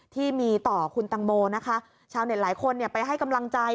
ที่มีต่อคุณตังโมนะคะชาวเน็ตหลายคนไปให้กำลังใจ